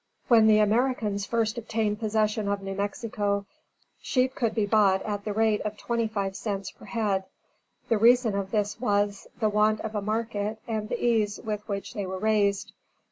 When the Americans first obtained possession of New Mexico, sheep could be bought at the rate of twenty five cents per head. The reason of this was, the want of a market and the ease with which they were raised.